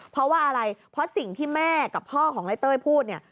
เพราะว่าอะไรเพราะสิ่งที่แม่กับพ่อของนายเต้ยพูดเนี่ย